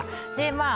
まあ